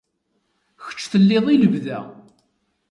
Kečč telliḍ i lebda.